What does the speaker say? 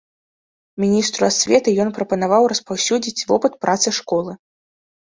Міністру асветы ён прапанаваў распаўсюдзіць вопыт працы школы.